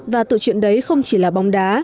và tự chuyện đấy không chỉ là bóng đá